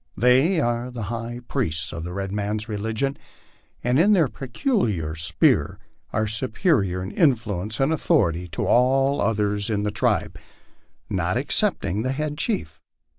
They are the high priests of the red man's religion, and in their peculiar sphere are superior in influence and authority to all others in the tribe, not excepting the head chief.